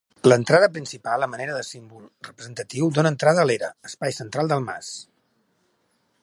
L'entrada principal, a manera de símbol representatiu dóna entrada a l'era, espai central del mas.